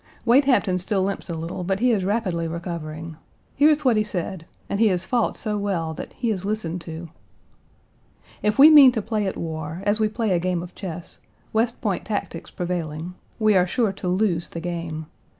Wade Hampton still limps a little, but he is rapidly recovering. Here is what he said, and he has fought so well that he is listened to: "If we mean to play at war, as we play a game of chess, West Point tactics prevailing, we are sure to lose the game.